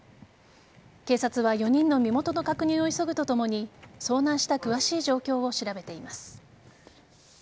警察は４人の身元の確認を急ぐとともに遭難した詳しい状況を調べています。